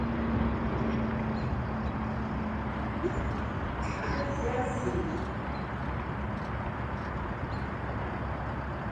Waishamba mbele ya vandu vatrue.